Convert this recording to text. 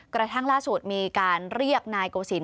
กระทั่งล่าสุดมีการเรียกนายโกศิลป